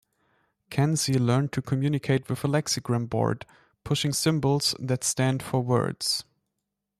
Kanzi learned to communicate with a Lexigram board, pushing symbols that stand for words.